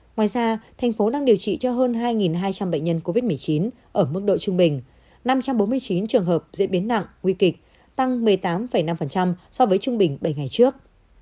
ngoài ra thành phố đang điều trị cho hơn hai hai trăm linh bệnh nhân covid một mươi chín ở mức độ trung bình năm trăm bốn mươi chín trường hợp diễn biến nặng nguy kịch tăng một mươi tám năm so với trung bình bảy ngày trước